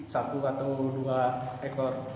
satu atau dua ekor